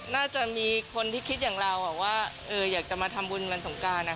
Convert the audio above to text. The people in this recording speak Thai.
น่าจะมีคนที่คิดอย่างเราว่าอยากจะมาทำบุญวันสงการ